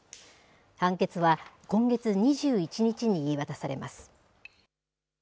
判決は今月２１日に言い渡されます。